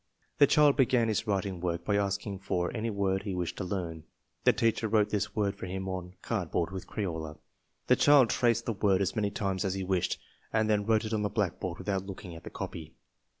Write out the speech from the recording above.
The cluld began his written work by asking for any word he wished to learn. The teacher wrote this word for him on cardboard with crayola. The child traced the word as many times as he wished and then wrote it on the blackboard without looking at the copy.